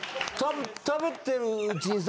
食べてるうちにさ